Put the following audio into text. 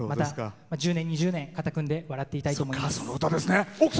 １０年、２０年肩を組んで笑っていたいと思います。